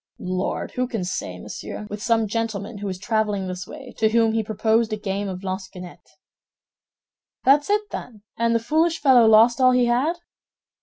"Lord, who can say, monsieur? With some gentleman who was traveling this way, to whom he proposed a game of lansquenet." "That's it, then, and the foolish fellow lost all he had?"